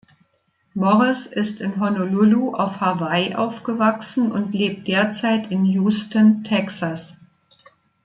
Morris ist in Honolulu auf Hawaii aufgewachsen und lebt derzeit in Houston, Texas.